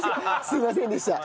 すいませんでした。